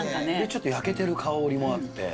ちょっと焼けてる香りもあって。